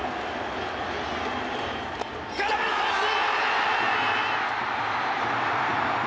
空振り三振！